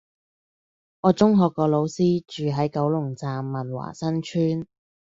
我中學個老師住喺九龍站文華新村